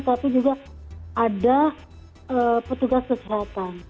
tapi juga ada petugas kesehatan